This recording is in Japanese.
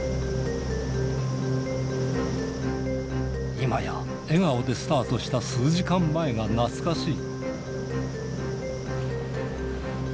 今や、笑顔でスタートした数時間前が懐かしい。